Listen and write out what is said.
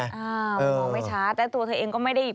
อ้าวมองไปช้าแต่ตัวเองก็ไม่ได้